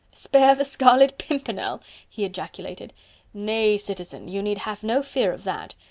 spare the Scarlet Pimpernel!..." he ejaculated. "Nay, Citizen, you need have no fear of that.